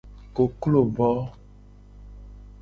Koklo bo.